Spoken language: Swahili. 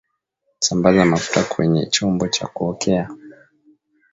sambaza mafuta kweye chombo cha kuokea